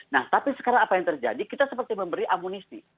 nah tapi sekarang apa yang terjadi kita seperti memberi amunisi